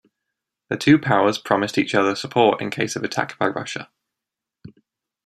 The two powers promised each other support in case of attack by Russia.